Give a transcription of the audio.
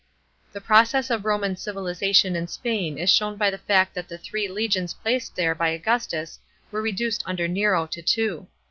The progress of Roman civilisation in Spain is shown by the fact that the three legions placed there by Augustus were reduced under Nero to two.